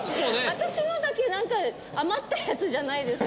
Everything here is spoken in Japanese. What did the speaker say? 私のだけなんか余ったやつじゃないですか？